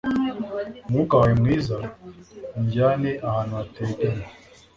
umwuka wawe mwiza, unjyane ahantu hategamye